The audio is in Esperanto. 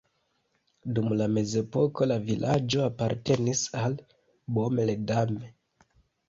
Dum la mezepoko la vilaĝo apartenis al Baume-les-Dames.